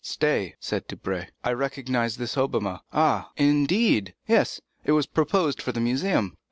"Stay," said Debray; "I recognize this Hobbema." "Ah, indeed!" "Yes; it was proposed for the Museum."